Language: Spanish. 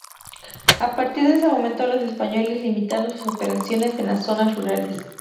A partir de ese momento los españoles, limitaron sus operaciones en las zonas rurales.